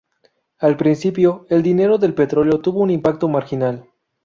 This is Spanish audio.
Al principio, el dinero del petróleo tuvo un impacto marginal.